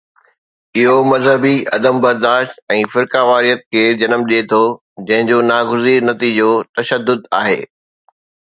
اهو مذهبي عدم برداشت ۽ فرقيواريت کي جنم ڏئي ٿو، جنهن جو ناگزير نتيجو تشدد آهي.